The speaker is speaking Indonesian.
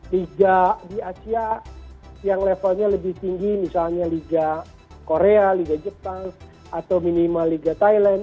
liga di asia yang levelnya lebih tinggi misalnya liga korea liga jepang atau minimal liga thailand